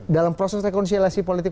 dalam proses rekonsiliasi politik